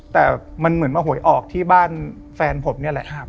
แต่มันเหมือนมาหวยออกที่บ้านแฟนผมนี่แหละ